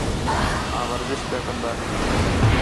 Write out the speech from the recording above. آں ورزش پِیا کندا ہیں